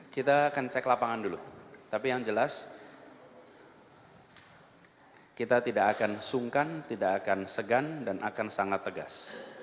kita akan cek lapangan dulu tapi yang jelas kita tidak akan sungkan tidak akan segan dan akan sangat tegas